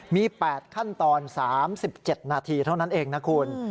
มี๘ขั้นตอน๓๗นาทีเท่านั้นเองนะคุณ